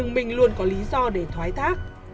mình không có lý do để thoái thác